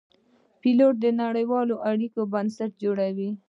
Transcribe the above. ډيپلومات د نړېوالو اړیکو بنسټ جوړوي.